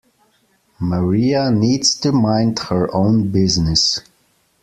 Maria needs to mind her own business.